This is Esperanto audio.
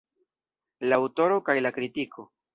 La aŭtoro kaj la kritiko.